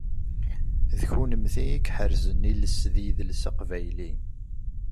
D kunemti i iḥerzen iles d yidles aqbayli.